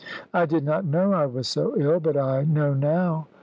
I did not know I was so ill, but I know now.